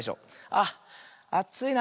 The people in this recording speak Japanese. あっあついな。